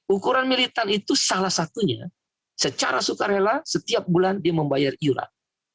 ukuran militan itu salah satunya secara sukarela setiap bulan dia membayar iuran